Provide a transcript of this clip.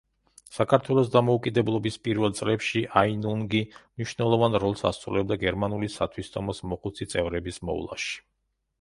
საქართველოს დამოუკიდებლობის პირველ წლებში აინუნგი მნიშვნელოვან როლს ასრულებდა გერმანული სათვისტომოს მოხუცი წევრების მოვლაში.